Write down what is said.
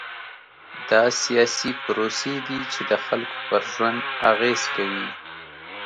دا سیاسي پروسې دي چې د خلکو پر ژوند اغېز کوي.